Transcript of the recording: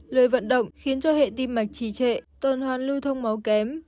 lười vận động khiến cho hệ tim mạch trì trệ tuần hoàn lưu thông máu kém